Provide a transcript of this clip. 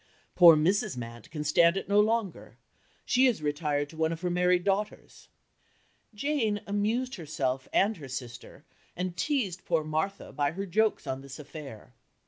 Poor Mrs. Mant can stand it no longer; she is retired to one of her married daughters." Jane amused herself and her sister and teased poor Martha by her jokes on this affair.